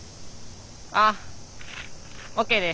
あっＯＫです。